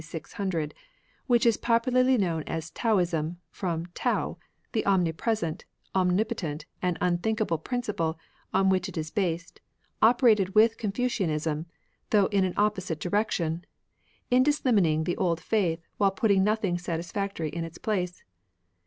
600 — which is popularly known as Taoism, from Tao, the omnipresent, omnipotent, and unthinkable principle on which it is based, operated with Confucianism, though in an opposite direction, indislimning the old faith while putting nothing satisfactory in its place.